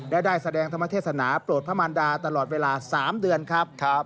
และได้แสดงธรรมเทศนาโปรดพระมันดาตลอดเวลา๓เดือนครับ